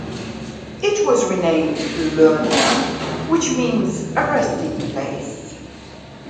It was renamed Lurnea which means "a resting place".